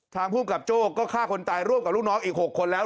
ภูมิกับโจ้ก็ฆ่าคนตายร่วมกับลูกน้องอีก๖คนแล้ว